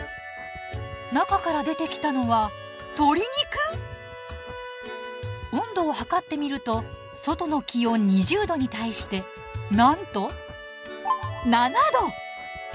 中から出てきたのは鶏肉⁉温度を測ってみると外の気温２０℃に対してなんと７℃！